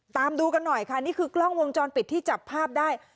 ดูกันหน่อยค่ะนี่คือกล้องวงจรปิดที่จับภาพได้